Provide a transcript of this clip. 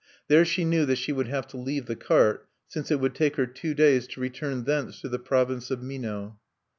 There she knew that she would have to leave the cart, since it would take her two days to return thence to the province of Mino.